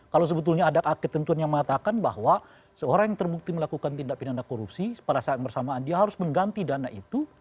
kalau sebetulnya ada ketentuan yang mengatakan bahwa seorang yang terbukti melakukan tindak pindana korupsi pada saat bersamaan dia harus mengganti dana itu